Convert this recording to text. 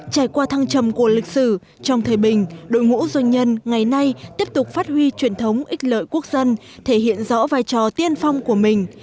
trải qua thăng trầm của lịch sử trong thời bình đội ngũ doanh nhân ngày nay tiếp tục phát huy truyền thống ít lợi quốc dân thể hiện rõ vai trò tiên phong của mình